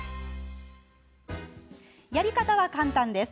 やり方は簡単です。